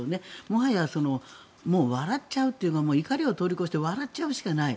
もはや笑っちゃうというか怒りを通り越して笑っちゃうしかない。